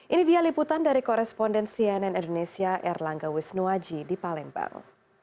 ini dia liputan dari koresponden cnn indonesia erlangga wisnuwaji di palembang